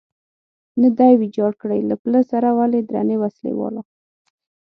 نه دی ویجاړ کړی، له پله سره ولې درنې وسلې والا.